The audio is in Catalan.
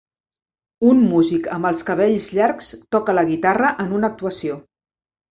Un músic amb els cabells llargs toca la guitarra en una actuació.